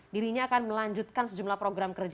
dirinya akan melanjutkan sejumlah program kerja